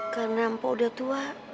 karena mpok udah tua